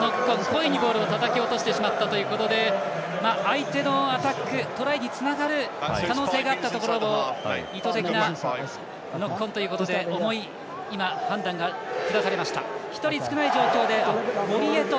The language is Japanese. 故意にボールをたたき落としてしまったということで相手のトライにつながるところでの意図的なノックオンということで重い判断がくだされました。